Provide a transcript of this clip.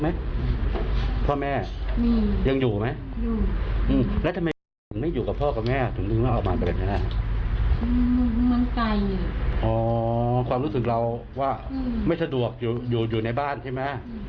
ไม่สะดวกอยู่ในบ้านใช่ไหม